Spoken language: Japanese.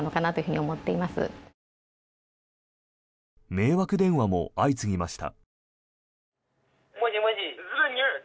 迷惑電話も相次ぎました。